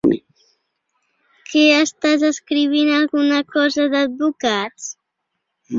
¿Que estàs escrivint alguna cosa d'advocats?